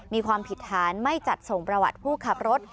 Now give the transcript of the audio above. มีความผิดฐานไม่จัดส่งประวัติผู้ขับรถ